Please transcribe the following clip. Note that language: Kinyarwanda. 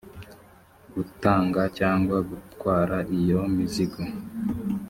gutanga cyangwa gutwara iyo mizigo